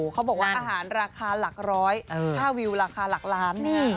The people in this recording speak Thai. เขาบอกว่าอาหารราคาหลักร้อยค่าวิวราคาหลักล้าน